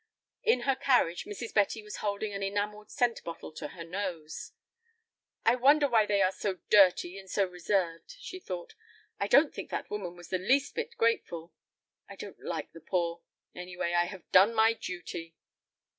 In her carriage Mrs. Betty was holding an enamelled scent bottle to her nose. "I wonder why they are so dirty and so reserved," she thought; "I don't think that woman was the least bit grateful. I don't like the poor. Anyway, I have done my duty."